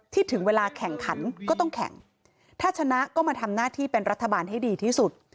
ถึงเวลาแข่งขันก็ต้องแข่งถ้าชนะก็มาทำหน้าที่เป็นรัฐบาลให้ดีที่สุด